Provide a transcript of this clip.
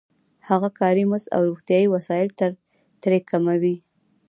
هغه کاري مزد او روغتیايي وسایل ترې کموي